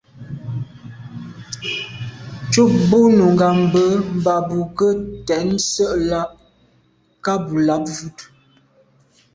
Tchúp bú nùngà mbə̄ mbà bú gə́ tɛ̀ɛ́n sə́’ láà’ ká bū làáp vút.